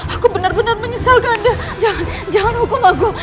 aku benar benar menyesalkan deh jangan hukum aku